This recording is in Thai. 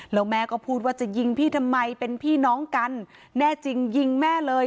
แล้วแม่ก็พูดว่าจะยิงพี่ทำไมเป็นพี่น้องกันแน่จริงยิงแม่เลย